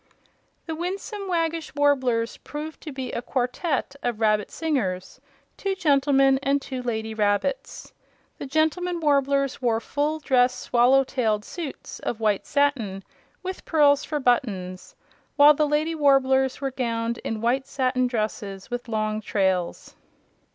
The Winsome Waggish Warblers proved to be a quartette of rabbit singers, two gentlemen and two lady rabbits. The gentlemen Warblers wore full dress swallow tailed suits of white satin, with pearls for buttons, while the lady Warblers were gowned in white satin dresses with long trails.